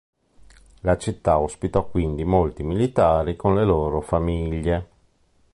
La città ospitò quindi molti militari con le loro famiglie.